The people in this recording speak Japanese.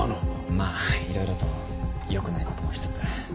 まぁいろいろと良くないこともしつつ。